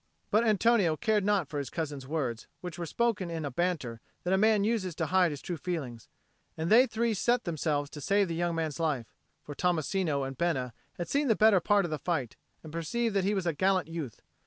But Antonio cared not for his cousin's words, which were spoken in a banter that a man uses to hide his true feelings; and they three set themselves to save the young man's life; for Tommasino and Bena had seen the better part of the fight and perceived that he was a gallant youth.